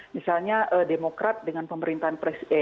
misalnya demokrat dengan pemerintahan